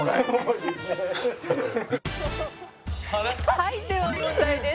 「はいでは問題です」